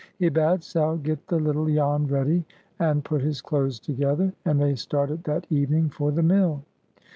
He bade Sal get the little Jan ready, and put his clothes together, and they started that evening for the mill.